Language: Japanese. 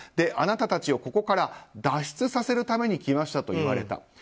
あなたたちをここから脱出させるために来ましたと言われた。